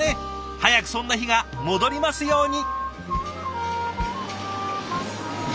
早くそんな日が戻りますように。